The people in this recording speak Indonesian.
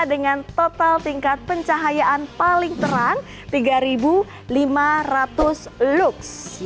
dengan total tingkat pencahayaan paling terang tiga lima ratus lux